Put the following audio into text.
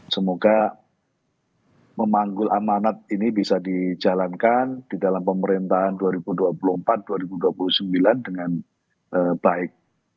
semoga memanggul amanat ini bisa dijalankan di dalam pemerintahan dua ribu dua puluh empat dua ribu dua puluh sembilan dengan baik